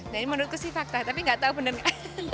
jadi menurutku sih fakta tapi gak tau bener gak